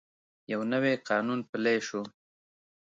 یو نوی قانون پلی شو.